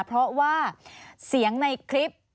เพราะว่าเสียงในคลิป